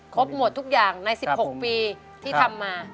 ครบหมดทุกอย่างใน๑๖ปีที่ทำมา